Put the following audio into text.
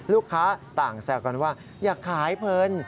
ลูกค้าต่างแซวกันว่าอย่าขายเพลิน